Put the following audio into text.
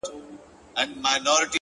o چي روږدي سوی له کوم وخته په گيلاس يمه،